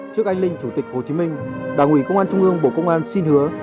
trước anh linh chủ tịch hồ chí minh đảng ủy công an trung ương bộ công an xin hứa